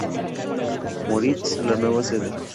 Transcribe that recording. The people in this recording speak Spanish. Moritz la nueva sede.